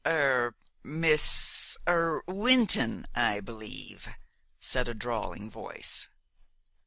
"Er Miss er Wynton, I believe?" said a drawling voice.